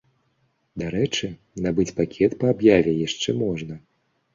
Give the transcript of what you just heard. Дарэчы, набыць пакет па аб'яве яшчэ можна.